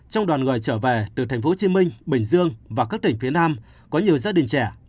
trong đoàn người trở về từ tp hcm bình dương và các tỉnh phía nam có nhiều gia đình trẻ